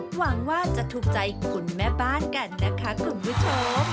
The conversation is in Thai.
หวังว่าจะถูกใจคุณแม่บ้านกันนะคะคุณผู้ชม